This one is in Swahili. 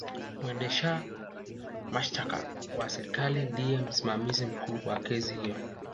mwendesha mashtaka wa serikali ndiye msimamizi mkuu wa kesi hizo